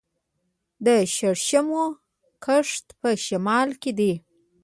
د شړشمو کښت په شمال کې دی.